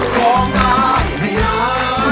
ร้องได้ให้ล้าน